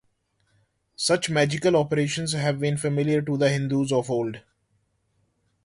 Such magical operations have been familiar to the Hindus of old.